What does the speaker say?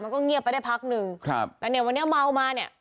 ก็เงียบไปได้พักหนึ่งครับแล้วเนี่ยวันนี้เมามาเนี่ย